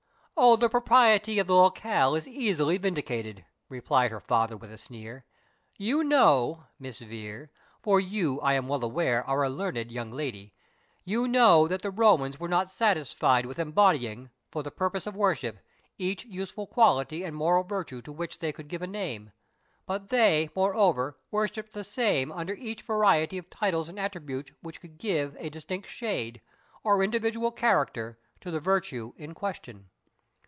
"O, the propriety of the LOCALE is easily vindicated," replied her father, with a sneer. "You know, Miss Vere (for you, I am well aware, are a learned young lady), you know, that the Romans were not satisfied with embodying, for the purpose of worship, each useful quality and moral virtue to which they could give a name; but they, moreover, worshipped the same under each variety of titles and attributes which could give a distinct shade, or individual character, to the virtue in question.